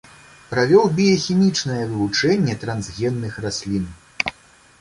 Правёў біяхімічнае вывучэнне трансгенных раслін.